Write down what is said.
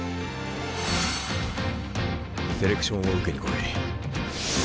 セレクションを受けに来い。